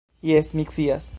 Jes, mi scias.